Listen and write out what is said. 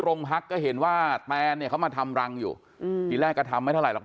โรงพักก็เห็นว่าแตนเนี่ยเขามาทำรังอยู่อืมทีแรกก็ทำไม่เท่าไหรอก